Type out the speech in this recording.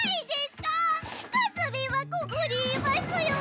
⁉かすみんはここにいますよぉ！